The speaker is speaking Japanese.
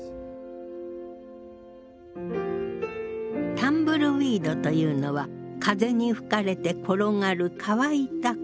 タンブルウィードというのは風に吹かれて転がる乾いた草のこと。